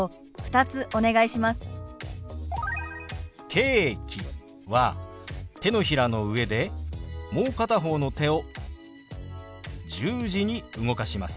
「ケーキ」は手のひらの上でもう片方の手を十字に動かします。